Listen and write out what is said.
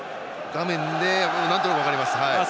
画面でなんとなく分かります。